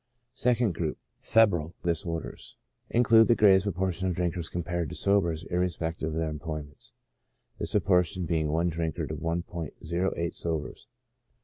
Second Group : Febrile Disorders include the greatest proportion of drinkers compared to sobers irrespective of their employments, this proportion being i drinker to i*o8 sobers.